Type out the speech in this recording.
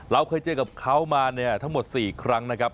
เราเคยเจอกับเขามาเนี่ยทั้งหมด๔ครั้งนะครับ